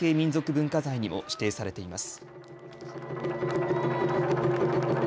文化財にも指定されています。